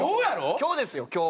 今日ですよ今日。